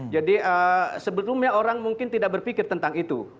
jadi sebelumnya orang mungkin tidak berpikir tentang itu